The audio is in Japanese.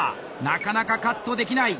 なかなかカットできない！